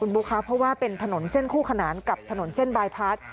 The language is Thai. บุ๊คะเพราะว่าเป็นถนนเส้นคู่ขนานกับถนนเส้นบายพาร์ท